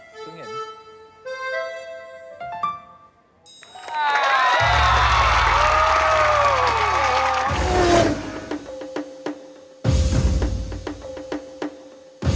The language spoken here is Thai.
ตอนต่อไป